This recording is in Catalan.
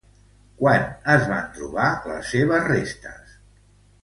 Quan es van trobar les seves restes?